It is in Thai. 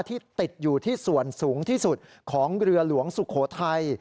ที่ติดอยู่ที่ส่วนสูงที่สุดของเรือหลวงสุโขทัย